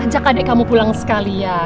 ajak adik kamu pulang sekalian